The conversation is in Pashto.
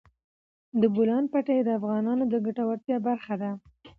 د بولان پټي د افغانانو د ګټورتیا برخه ده.